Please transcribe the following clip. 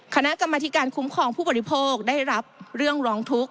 คณะกรรมธิการคุ้มครองผู้บริโภคได้รับเรื่องร้องทุกข์